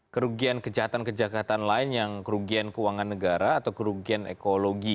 kerugian kejahatan kejahatan lain yang kerugian keuangan negara atau kerugian ekologi